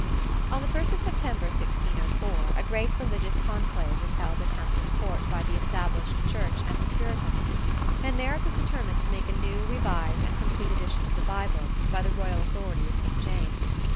On the first of September, 1604, a great religious conclave was held at Hampton Court by the established church and the Puritans, and there it was determined to make a new, revised and complete edition of the Bible, by the royal authority of King James.